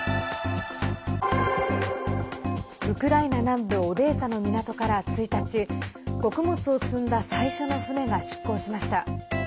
ウクライナ南部オデーサの港から１日穀物を積んだ最初の船が出港しました。